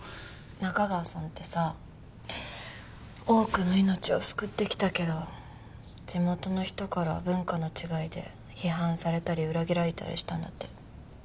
仲川さんってさ多くの命を救ってきたけど地元の人から文化の違いで批判されたり裏切られたりしたんだって。